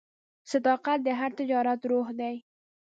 صداقت د هر تجارت روح دی.